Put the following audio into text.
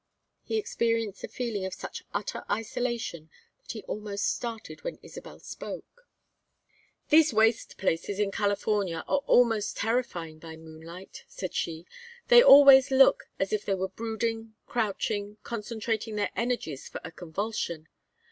He experienced a feeling of such utter isolation that he almost started when Isabel spoke. "These waste places in California are almost terrifying by moonlight," said she. "They always look as if they were brooding, crouching, concentrating their energies for a convulsion.